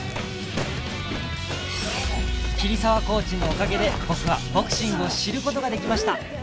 桐沢コーチのおかげで僕はボクシングを知る事ができました